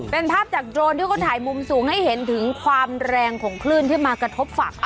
เป็นภาพจากโดรนที่เขาถ่ายมุมสูงให้เห็นถึงความแรงของคลื่นที่มากระทบฝั่ง